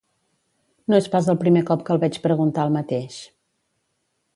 No és pas el primer cop que el veig preguntar el mateix